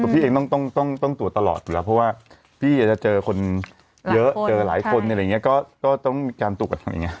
แต่พี่เองต้องตรวจตลอดแหละเพราะว่าพี่จะเจอคนเยอะเจอหลายคนอะไรอย่างนี้ก็ต้องมีการตรวจอย่างนี้